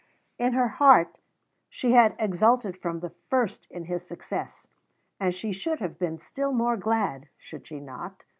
In her heart she had exulted from the first in his success, and she should have been still more glad (should she not?)